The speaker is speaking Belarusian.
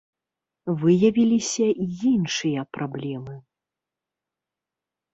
Выявіліся і іншыя праблемы.